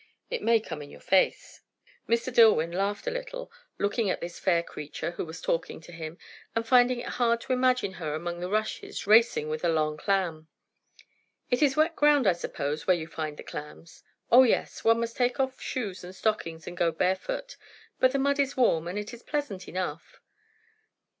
"It may come in your face." Mr. Dillwyn laughed a little, looking at this fair creature, who was talking to him, and finding it hard to imagine her among the rushes racing with a long clam. "It is wet ground I suppose, where you find the clams?" "O yes. One must take off shoes and stockings and go barefoot. But the mud is warm, and it is pleasant enough."